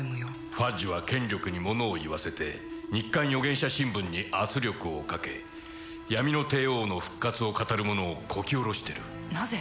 ファッジは権力にものを言わせて日刊予言者新聞に圧力をかけ闇の帝王の復活を語る者をこきおろしてるなぜ？